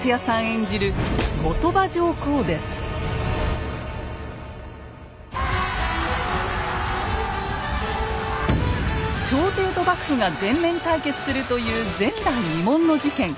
演じる朝廷と幕府が全面対決するという前代未聞の事件